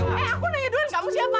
eh aku nanya tuhan kamu siapa